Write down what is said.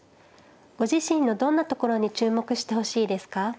ご自身のどんなところに注目してほしいですか。